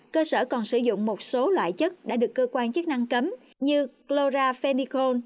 cơ sở còn sử dụng một số loại chất đã được cơ quan chức năng cấm như chloraphenicol